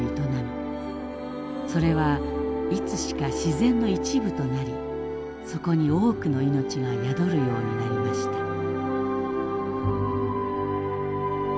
それはいつしか自然の一部となりそこに多くの命が宿るようになりました。